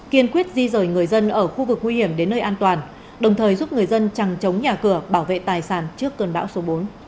kiên quyết di rời người dân ở khu vực nguy hiểm đến nơi an toàn đồng thời giúp người dân chẳng chống nhà cửa bảo vệ tài sản trước cơn bão số bốn